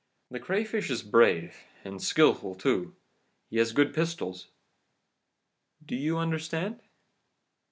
The crayfish is brave, and skilful too, and he has good pistols. Do you understand?